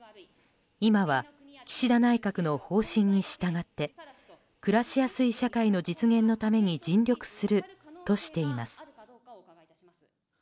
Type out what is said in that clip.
今は岸田内閣の方針に従って暮らしやすい社会の実現のために尽力するとしています。